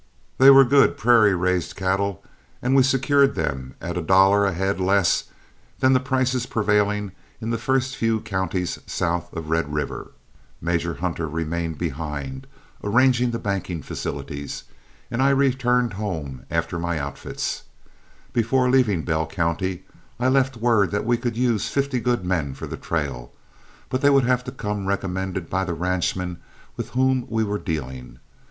They were good prairie raised cattle, and we secured them at a dollar a head less than the prices prevailing in the first few counties south of Red River. Major Hunter remained behind, arranging his banking facilities, and I returned home after my outfits. Before leaving Bell County, I left word that we could use fifty good men for the trail, but they would have to come recommended by the ranchmen with whom we were dealing.